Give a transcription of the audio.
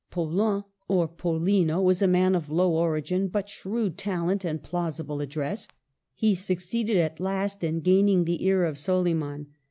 Paulin, or PoUino, was a man of low origin, but shrewd talent and plausible address. He succeeded at last in gaining the ear of Soliman.